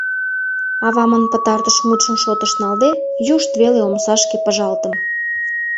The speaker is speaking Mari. Авамын пытартыш мутшым шотыш налде, юшт веле омсашке пыжалтым.